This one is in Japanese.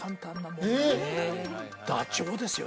ダチョウですよ